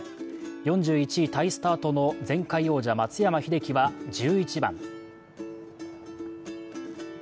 ４１位タイスタートの前回王者、松山英樹は１１番。